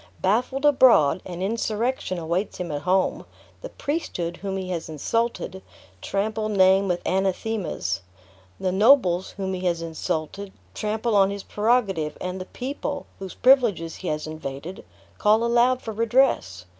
Baffled abroad, an insurrection awaits him at home; the priesthood whom he has insulted, trample name with anathemas; the nobles whom he has insulted, trample on his prerogative; and the people, whose privileges he has invaded, call aloud for redress.